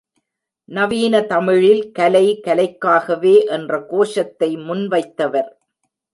நவீன தமிழில் கலை கலைக்காகவே என்ற கோஷத்தை முன் வைத்தவர்.